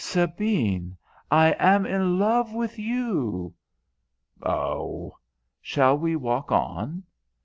Sabine, I am in love with you." "Oh! Shall we walk on?"